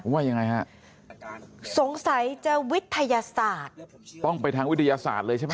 ว่ายังไงฮะสงสัยจะวิทยาศาสตร์ต้องไปทางวิทยาศาสตร์เลยใช่ไหม